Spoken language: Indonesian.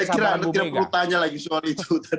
saya kira tidak perlu tanya lagi soalnya